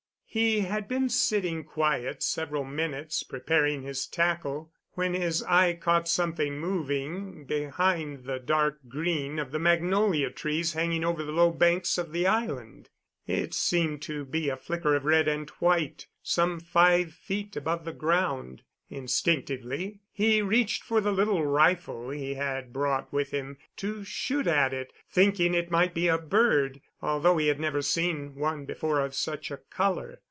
He had been sitting quiet several minutes preparing his tackle, when his eye caught something moving behind the dark green of the magnolia trees hanging over the low banks of the island. It seemed to be a flicker of red and white some five feet above the ground. Instinctively he reached for the little rifle he had brought with him to shoot at it, thinking it might be a bird, although he had never seen one before of such a color.